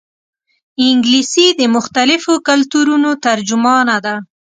انګلیسي د مختلفو کلتورونو ترجمانه ده